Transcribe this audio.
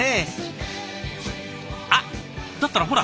あっだったらほら